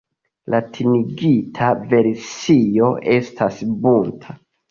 Latinigita versio estas "Bunta".